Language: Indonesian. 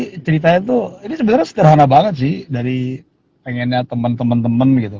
jadi ceritanya tuh ini sebenernya seterhana banget sih dari pengennya temen temen gitu